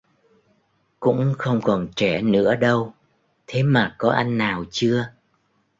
Cũng không còn trẻ nữa đâu thế mà có anh nào chưa